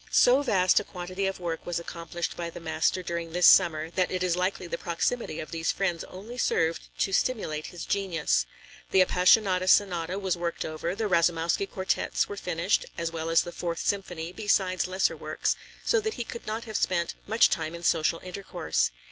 So vast a quantity of work was accomplished by the master during this summer, that it is likely the proximity of these friends only served to stimulate his genius. The Appassionata Sonata was worked over, the Rasoumowsky Quartets were finished, as well as the Fourth Symphony, besides lesser works, so that he could not have spent much time in social intercourse.